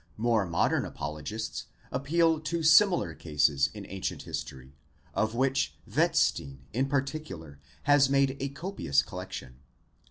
More modern apologists appeal to similar cases in ancient history,. of which Wetstein in particular has made a copious collection.